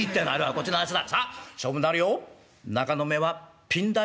「こっちの話だ